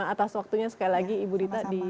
atas waktunya sekali lagi ibu rita di